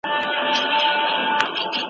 چي سرکوزی په دې پوه سو زمری زوړ دی .